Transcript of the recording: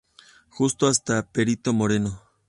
Justo hasta Perito Moreno.